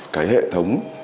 cái hệ thống